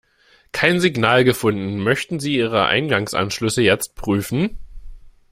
Kein Signal gefunden. Möchten Sie ihre Eingangsanschlüsse jetzt prüfen?